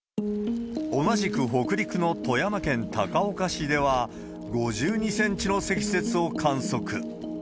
同じく北陸の富山県高岡市では、５２センチの積雪を観測。